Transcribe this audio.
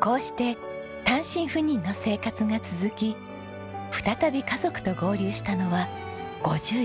こうして単身赴任の生活が続き再び家族と合流したのは５１歳の時。